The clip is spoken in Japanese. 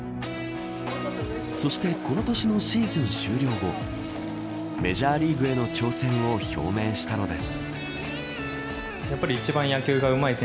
そしてこの年のシーズン終了後メジャーリーグへの挑戦を表明したのです。